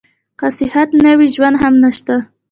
که صحت نه وي ژوند هم نشته.